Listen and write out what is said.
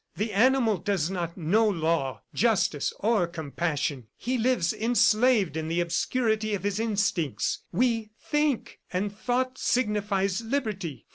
The animal does not know law, justice or compassion; he lives enslaved in the obscurity of his instincts. We think, and thought signifies liberty.